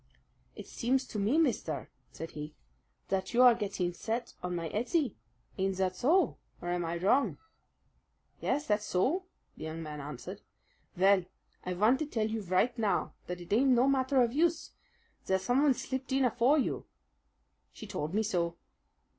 "It seems to me, mister," said he, "that you are gettin' set on my Ettie. Ain't that so, or am I wrong?" "Yes, that is so," the young man answered. "Vell, I vant to tell you right now that it ain't no manner of use. There's someone slipped in afore you." "She told me so."